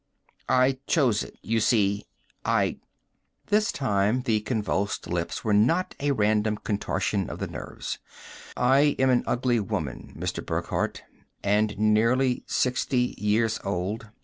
I chose it, you see. I " this time the convulsed lips were not a random contortion of the nerves "I was an ugly woman, Mr. Burckhardt, and nearly sixty years old.